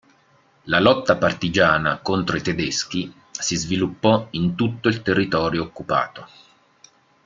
La lotta partigiana contro i tedeschi si sviluppò in tutto il territorio occupato.